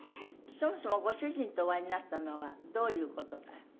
そもそもご主人とお会いになったのはどういう事から？